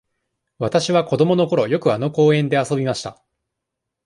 わたしは子どものころ、よくあの公園で遊びました。